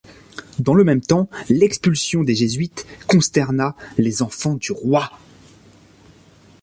Dans le même temps, l'expulsion des jésuites consterna les enfants du roi.